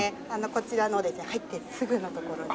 こちらのですね入ってすぐの所に。